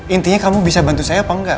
intinya kamu bisa bantu saya apa enggak